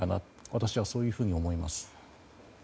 私はそういうふうに思います。